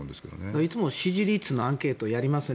いつも支持率のアンケートやりますよね。